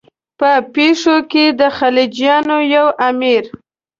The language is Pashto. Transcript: په پېښور کې د خلجیانو یو امیر.